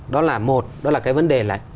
đó là một đó là cái vấn đề là